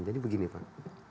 jadi begini pak